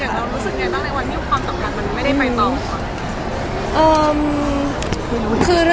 คุณรู้สึกยังไงบ้างในวันนี้ว่าความตอบรันมันไม่ได้ไปต่อ